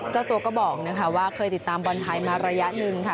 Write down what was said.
เจ้าตัวก็บอกว่าเคยติดตามบอลไทยมาระยะหนึ่งค่ะ